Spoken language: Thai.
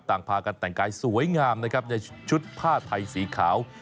ต่างพากันแต่งกายสวยงามนะครับในชุดผ้าไทยสีขาว